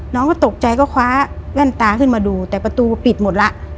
น้องก็ตกใจก็คว้าแว่นตาขึ้นมาดูแต่ประตูปิดหมดแล้ว